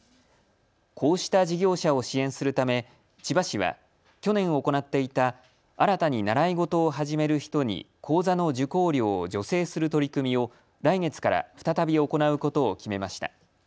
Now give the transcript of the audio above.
こうした事業者を支援するため千葉市は去年行っていた新たに習い事を始める人に講座の受講料を助成する取り組みを来月から再び行うことを決めました。